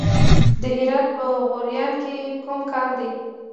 د هرات په غوریان کې کوم کان دی؟